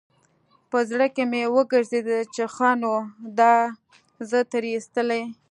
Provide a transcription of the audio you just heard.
په زړه کښې مې وګرځېدل چې ښه نو دا زه تېر ايستلى.